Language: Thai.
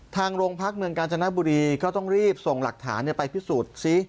ทางโรงพักเมืองกาญจนบุรีก็ต้องรีบส่งหลักฐานไปพิสูจน์ซิ